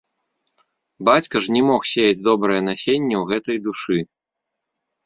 Бацька ж не мог сеяць добрае насенне ў гэтай душы.